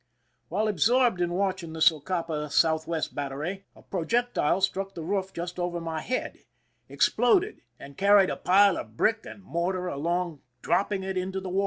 While absorbed in watching the Socapa south west battery, a projectile struck the roof just over my head, exploded, and carried a pile of brick and mortar along, dropping it into the water.